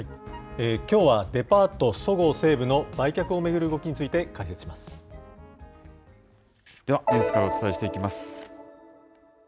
きょうはデパート、そごう・西武の売却を巡る動きについて解では、ニュースからお伝えしていきます。